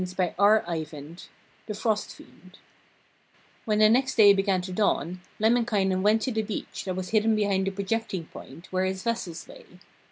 THE FROST FIEND When the next day began to dawn, Lemminkainen went to the beach, that was hidden behind a projecting point, where his vessels lay.